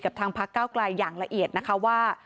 ทางพักเก้าไกลอย่างละเอียดนะคะว่า